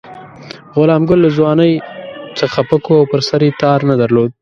غلام ګل له ځوانۍ څخه پک وو او پر سر یې تار نه درلود.